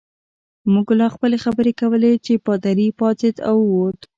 موږ لا خپلې خبرې کولې چې پادري پاڅېد او ووت.